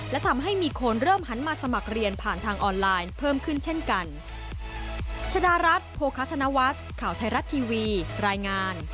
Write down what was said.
และทำให้มีคนเริ่มหันมาสมัครเรียนผ่านทางออนไลน์เพิ่มขึ้นเช่นกัน